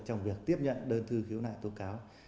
trong việc tiếp nhận đơn thư khiếu nại tố cáo